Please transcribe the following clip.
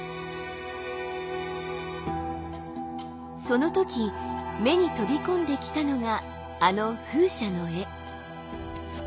その時目に飛び込んできたのがあの風車の絵。